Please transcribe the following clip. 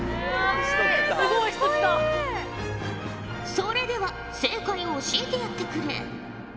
それでは正解を教えてやってくれ。